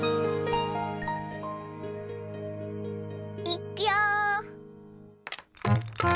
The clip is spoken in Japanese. いくよ！